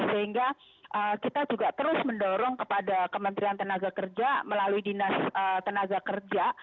sehingga kita juga terus mendorong kepada kementerian tenaga kerja melalui dinas tenaga kerja